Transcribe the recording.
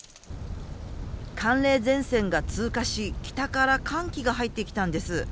寒冷前線が通過し北から寒気が入ってきたんです。